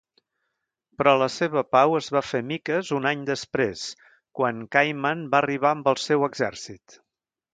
Però la seva pau es va fer miques un any després quan Khayman va arribar amb el seu exèrcit.